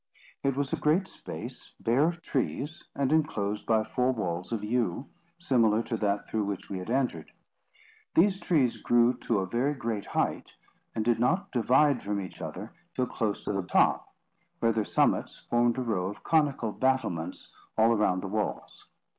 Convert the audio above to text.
It was a great space, bare of trees, and enclosed by four walls of yew, similar to that through which we had entered. These trees grew to a very great height, and did not divide from each other till close to the top, where their summits formed a row of conical battlements all around the walls.